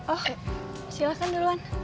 oh silahkan duluan